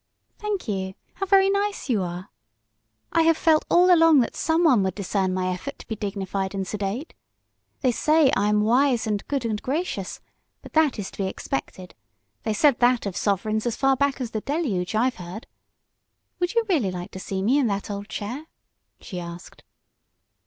"Thank you. How very nice you are. I knave felt all along that some one would discern my effort to be dignified and sedate. They say I am wise and good and gracious, but that is to be expected. They said that of sovereigns as far back as the deluge, I've heard. Would you really like to see me in that old chair?" she asked.